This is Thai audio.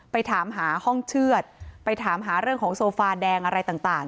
ไปถามหาห้องเชื่อดไปถามหาเรื่องของโซฟาแดงอะไรต่าง